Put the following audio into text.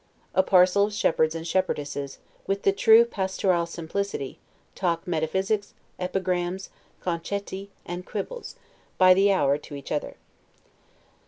A parcel of shepherds and shepherdesses, with the TRUE PASTORAL' SIMPLICITY, talk metaphysics, epigrams, 'concetti', and quibbles, by the hour to each other.